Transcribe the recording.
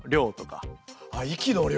あっ息の量。